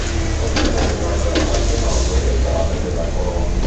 Il confine riguarda la parte nord orientale della Polonia.